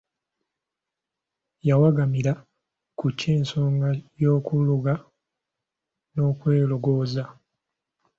Yawagamira ku ky'ensonga y'okuloga n'okwelogozza.